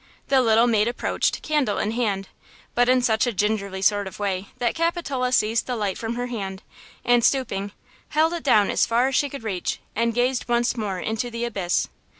The little maid approached, candle in hand, but in such a gingerly sort of way, that Capitola seized the light from her hand, and, stooping, held it down as far as she could reach and gazed once more into the abyss.